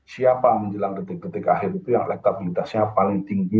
siapa yang menjelang detik detik akhir itu yang lebih menarik dan lebih menarik